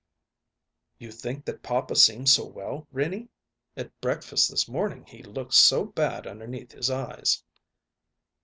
"You think that papa seems so well, Renie? At breakfast this morning he looked so bad underneath his eyes."